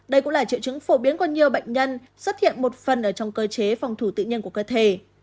đây cũng là triệu chứng phổ biến của nhiều bệnh nhân xuất hiện một phần ở trong cơ chế phòng thủ tự nhiên của cơ thể